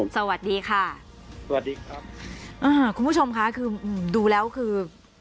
ครับผมสวัสดีค่ะสวัสดีครับคุณผู้ชมคะดูแล้วคือ